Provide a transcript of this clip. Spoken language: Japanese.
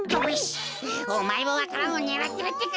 おまえもわか蘭をねらってるってか？